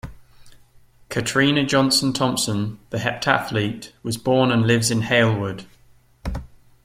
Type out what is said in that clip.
Katarina Johnson-Thompson, the heptathlete, was born and lives in Halewood.